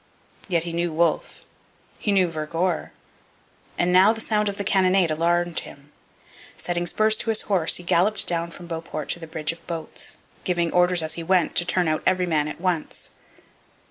Yet he knew Wolfe; he knew Vergor; and now the sound of the cannonade alarmed him. Setting spurs to his horse, he galloped down from Beauport to the bridge of boats, giving orders as he went to turn out every man at once.